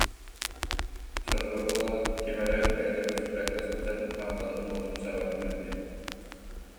Сотору буолаат, ким эрэ, бэйэтэ көстүбэккэ сылдьан, лаампаларын уотун саба үрбүт